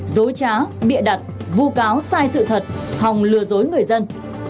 dối trá bịa đặt vu cáo sai sự thật hòng lừa dối người dân